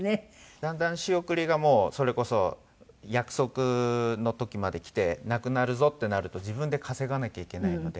だんだん仕送りがもうそれこそ約束の時まできてなくなるぞってなると自分で稼がなきゃいけないので。